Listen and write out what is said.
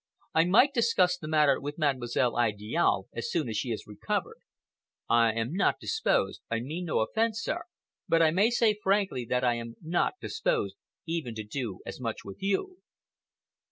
I might discuss the matter with Mademoiselle Idiale as soon as she is recovered. I am not disposed—I mean no offence, sir—but I may say frankly that I am not disposed even to do as much with you."